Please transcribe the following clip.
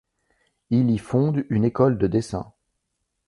Il y fonde une école de dessin.